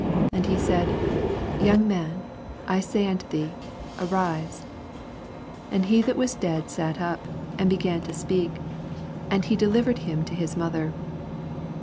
And he said. Young, man, I say unto thee, Arise. 15 And he that was dead sat up, and began to speak. And he delivered him to his mother.